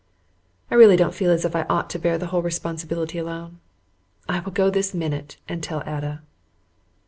I really don't feel as if I ought to bear the whole responsibility alone. I will go this minute and tell Ada.